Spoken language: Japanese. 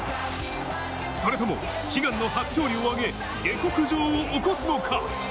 それとも悲願の初勝利を挙げ、下剋上を起こすのか。